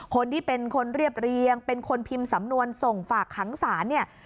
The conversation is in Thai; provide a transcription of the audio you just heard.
คนที่เป็นคนเรียบเรียงเป็นคนพิมพ์สำนวนส่งฝากขังศาลเนี่ย